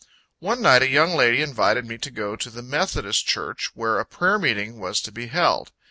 One night a young lady invited me to go to the Methodist church, where a prayer meeting was to be held.